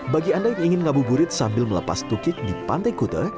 bagi anda yang ingin ngabuburit sambil melepas tukik di pantai kute